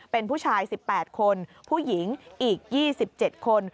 เป็นผู้ชาย๑๘คนผู้หญิงอีก๒๗คน